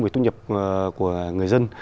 về thu nhập của người dân